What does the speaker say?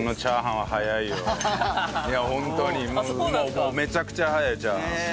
もうめちゃくちゃ早いよチャーハン。